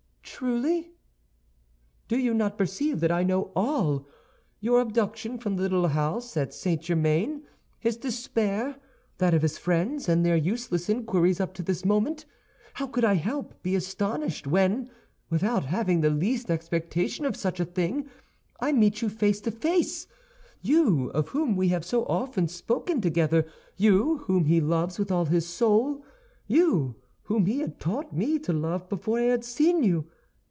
"Truly?" "Do you not perceive that I know all—your abduction from the little house at St. Germain, his despair, that of his friends, and their useless inquiries up to this moment? How could I help being astonished when, without having the least expectation of such a thing, I meet you face to face—you, of whom we have so often spoken together, you whom he loves with all his soul, you whom he had taught me to love before I had seen you!